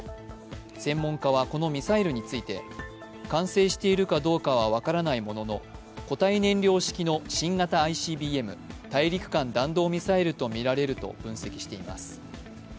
専門家は、このミサイルについて完成しているかどうかは分からないものの固体燃料式の新型ＩＣＢＭ＝大陸間弾道ミサイルとみられると分析しています。